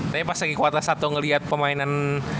tapi pas lagi kuartal satu ngeliat pemainan